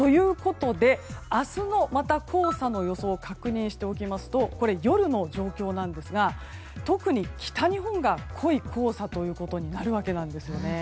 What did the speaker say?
明日の黄砂の予想確認しておきますと夜の状況なんですが特に北日本が濃い黄砂となるわけです。